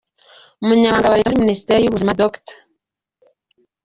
Umunyamabanga wa Leta muri Minisiteri y’ubuzima, Dr.